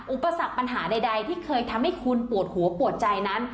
อุปสรรคปัญหาใดที่เคยทำให้คุณปวดหัวปวดใจนั้น